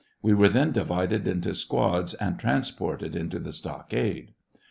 We were then divided into squads and transported into the stockade.